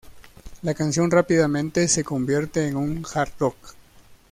La canción rápidamente se convierte en un hard rock.